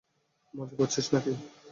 মজা করছিস নাকি?